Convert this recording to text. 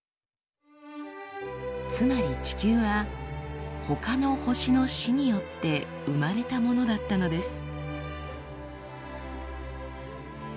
つまり地球はほかの星の死によって生まれたものだったのです。